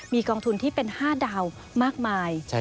มีกองทุนที่เป็น๕ดาวมากมาย